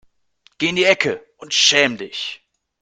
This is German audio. Geh in die Ecke und schäme dich.